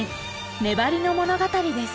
粘りの物語です。